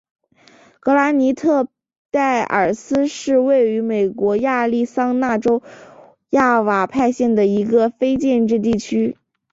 格兰尼特戴尔斯是位于美国亚利桑那州亚瓦派县的一个非建制地区。